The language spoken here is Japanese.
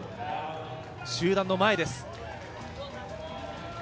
集団の前です。